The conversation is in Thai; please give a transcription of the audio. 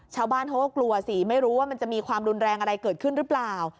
ชาวบ้านเขาก็กลัวสิไม่รู้ว่ามันจะมีความรุนแรงอะไรเกิดขึ้นหรือเปล่า